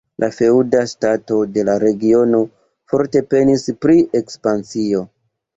La feŭdaj ŝtatoj de la regiono forte penis pri ekspansio.